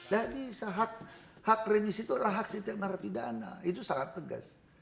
jadi hak revisi itu adalah hak sitenar pidana itu sangat tegas